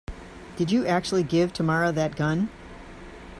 Did you actually give Tamara that gun?